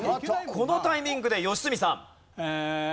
このタイミングで良純さん。